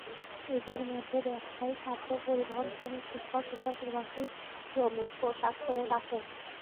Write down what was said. এঁদের মধ্যে ব্যবসায়ী, ছাত্র, পরিবহনশ্রমিক, শিক্ষক, কৃষক, প্রবাসী শ্রমিক, পোশাকশ্রমিক আছেন।